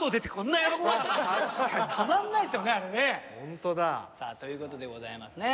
ホントだ。ということでございますね。